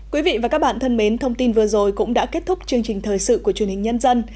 quý vị và các bạn thân mến thông tin vừa rồi cũng đã kết thúc chương trình thời sự của truyền hình nhân dân